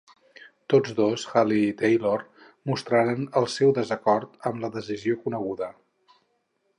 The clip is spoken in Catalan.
Tots dos Healy i Taylor mostraren el seu desacord amb la decisió coneguda.